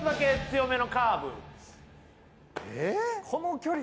この距離。